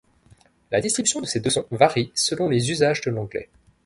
La distribution de ces deux sons varie selon les usages de l'anglais.